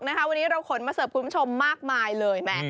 วันนี้เราขนมาเสิร์ฟคุณผู้ชมมากมายเลยแหม